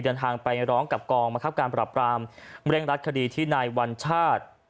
เดินทางไปร้องกับกองบังคับการปรับรามเร่งรัดคดีที่นายวัญชาติ